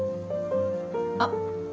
あっ！